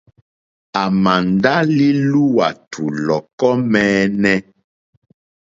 À màà ndá lí lùwàtù lɔ̀kɔ́ mǃɛ́ɛ́nɛ́.